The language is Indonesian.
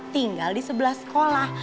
tinggal di sebelah sekolah